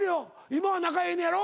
今は仲ええんねやろ？